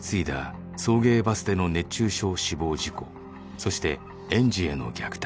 そして園児への虐待。